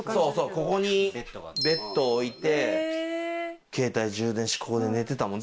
ここにベッド置いてケータイ充電してここに寝てたもん。